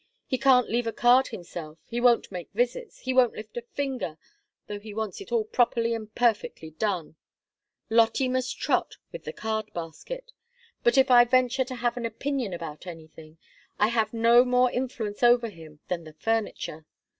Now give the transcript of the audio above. He can't leave a card himself, he won't make visits he won't lift a finger, though he wants it all properly and perfectly done. Lottie must trot with the card basket. But if I venture to have an opinion about anything, I have no more influence over him than the furniture.